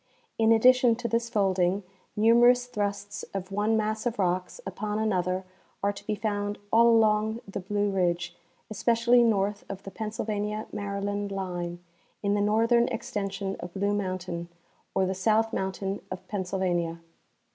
In addition to this folding, numer ous thrusts of one mass of rocks upon another are to be found all along the Blue ridge, especially north of the Pennsylvania Maryland line, in the northern extension of Blue mountain, or the South mountain of Pennsylvania.